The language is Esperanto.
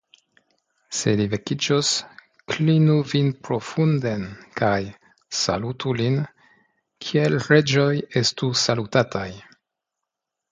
Se li vekiĝos, klinu vin profunden, kaj salutu lin, kiel reĝoj estu salutataj!